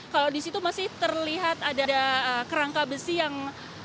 kalau di situ masih terlihat ada kerangka besi yang